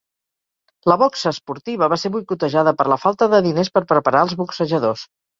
La boxa esportiva va ser boicotejada per la falta de diners per preparar els boxejadors.